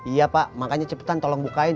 iya pak makanya cepetan tolong bukain